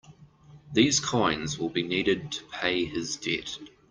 These coins will be needed to pay his debt.